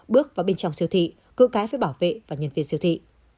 bước vào bên trong siêu thị cưu cái với bảo vệ và nhân viên siêu thị